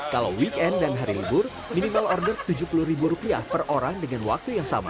kalau weekend dan hari libur minimal order tujuh puluh ribu rupiah per orang dengan waktu yang sama